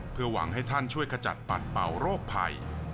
เพื่อหวังให้ท่านช่วยขจัดปัดเป่าโรคภัย